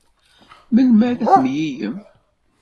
Melmi ara temlilem?